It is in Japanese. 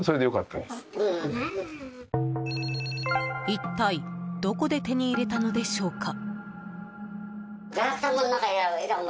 一体どこで手に入れたのでしょうか？